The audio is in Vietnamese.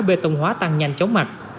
bê tông hóa tăng nhanh chống mạch